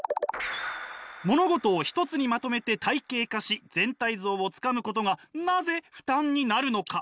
物事を一つにまとめて体系化し全体像をつかむことがなぜ負担になるのか？